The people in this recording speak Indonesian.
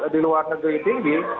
di luar negeri tinggi